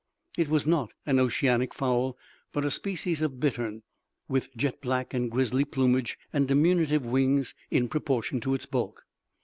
It was not an oceanic fowl, but a species of bittern, with jet black and grizzly plumage, and diminutive wings in proportion to its bulk.